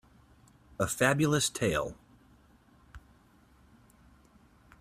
A Fabulous tale.